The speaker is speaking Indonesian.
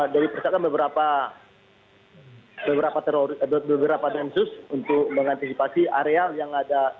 dari persatuan beberapa tensus untuk mengantisipasi area yang ada